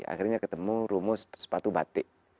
akhirnya ketemu rumus sepatu batik